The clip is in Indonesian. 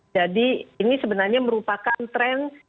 jadi ini sebenarnya merupakan tren